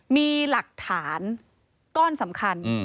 มีหลักฐานก้อนสำคัญ